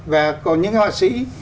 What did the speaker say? và còn những cái họa sĩ